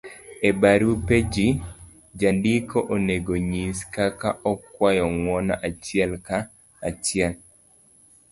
e barupe gi, jandiko onego nyis kaka okwayo ng'uono achiel ka chiel,